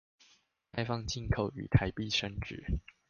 開放進口與台幣升值